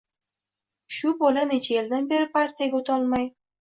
— Shu bola necha yildan beri partiyaga o‘tolmay